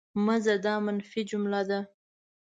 مه ځه! دا منفي جمله ده.